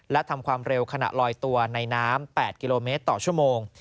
และทำความเร็วขณะลอยตัวในน้ำ๘กิโลเมตรต่อชั่วโมง